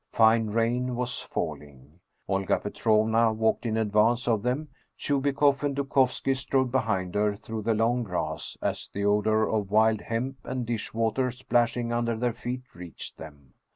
Fine rain was fall ing. Olga Petrovna walked in advance of them. Chubi koff and Dukovski strode behind her through the long grass, as the odor of wild hemp and dishwater splashing under their feet reached them.